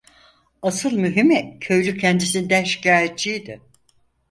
Asıl mühimi, köylü kendisinden şikayetçiydi.